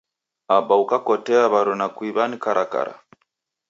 Apa ukakotea waruna kuiwa ni karakara